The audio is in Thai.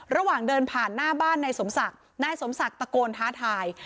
ระหว่างเดินผ่านหน้าบ้านนายสมศักดิ์นายสมศักดิ์ตะโกนท้าทาย